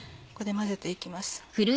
ここで混ぜて行きます。